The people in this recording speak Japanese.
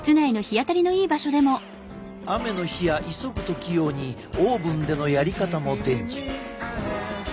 雨の日や急ぐ時用にオーブンでのやり方も伝授。